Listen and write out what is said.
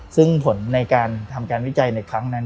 ซึ่งผลในการทำการวิจัยในครั้งนั้น